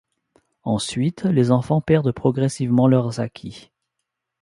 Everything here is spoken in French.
Ensuite, les enfants perdent progressivement leurs acquis.